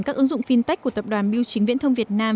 các ứng dụng fintech của tập đoàn biêu chính viễn thông việt nam